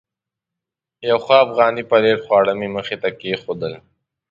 یو ښه افغاني پلیټ خواړه مې مخې ته کېښودل.